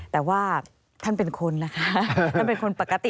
แต่ว่าท่านเป็นคนล่ะคะท่านเป็นคนปกติ